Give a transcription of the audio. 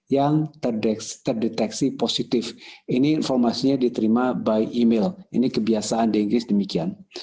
yang terdeteksi positif ini informasinya diterima by email ini kebiasaan di inggris demikian